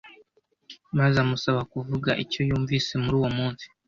maze amusaba kuvuga icyo yumvise muri uwo munsi